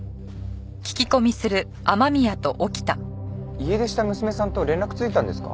家出した娘さんと連絡ついたんですか？